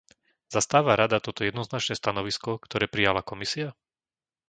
Zastáva Rada toto jednoznačné stanovisko, ktoré prijala Komisia?